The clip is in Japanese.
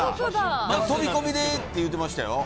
飛び込みでって言ってました